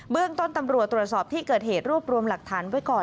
เรื่องต้นตำรวจตรวจสอบที่เกิดเหตุรวบรวมหลักฐานไว้ก่อน